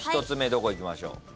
１つ目どこいきましょう？